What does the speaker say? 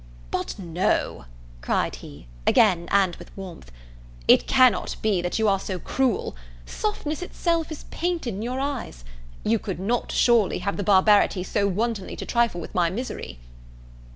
"But no!" cried he (again, and with warmth,) "It cannot be that you are so cruel! Softness itself is painted in your eyes. You could not, surely, have the barbarity so wantonly to trifle with my misery."